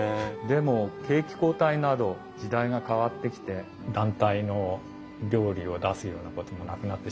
でも景気後退など時代が変わってきて団体の料理を出すようなこともなくなってしまった。